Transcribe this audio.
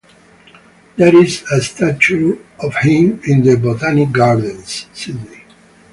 There is a statue of him in the Botanic Gardens, Sydney.